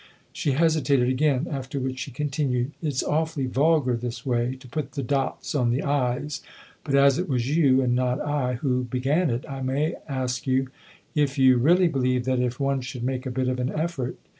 She hesitated again ; after which she continued :" It's awfully vulgar, this way, to put the dots on the i's, but as it was you, and not I, who began it, I may ask if you really believe that if one should make a bit of an effort